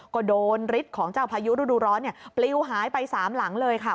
ก็โดนฤทธิ์ของเจ้าพายุฤดูร้อนปลิวหายไปสามหลังเลยค่ะ